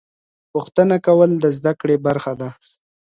پوښتنه کول د زده کړې برخه ده.